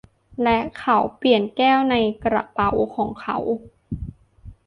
และ เขาเปลี่ยนแก้วในกระเป๋าของเขา